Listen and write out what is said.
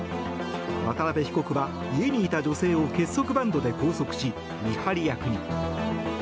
渡邉被告は家にいた女性を結束バンドで拘束し見張り役に。